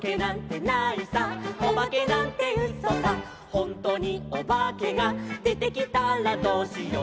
「ほんとにおばけがでてきたらどうしよう」